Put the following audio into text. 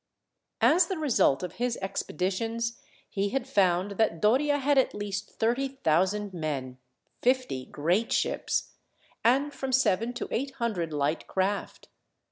As the result of his expeditions, he had found that Doria had at least thirty thousand men, fifty great ships, and from seven to eight hundred light craft.